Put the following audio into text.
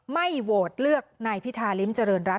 ไม่โหวตเลือกในพิทาริมเจริญรัฐ